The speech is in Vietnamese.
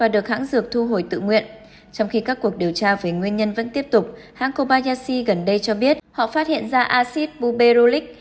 trong khi các cuộc điều tra về nguyên nhân vẫn tiếp tục hãng kobayashi gần đây cho biết họ phát hiện ra acid boube rolic